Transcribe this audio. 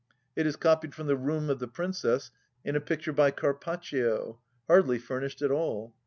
It is copied from the room of the Princess in a picture by Carpaccio ; hardly furnished at all.